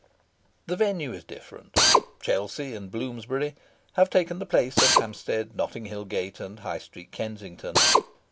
The venue is different. Chelsea and Bloomsbury have taken the place of Hampstead, Notting Hill Gate, and High Street, Kensington.